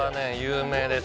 有名です